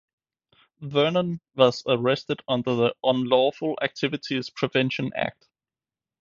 Vernon was arrested under the Unlawful Activities (Prevention) Act.